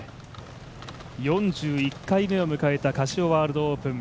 ４１回目を迎えたカシオワールドオープン。